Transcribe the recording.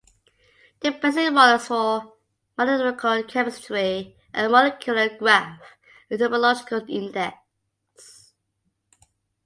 The basic models for mathematical chemistry are molecular graph and topological index.